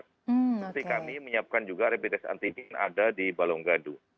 seperti kami menyiapkan juga repitest antigen ada di balonggadu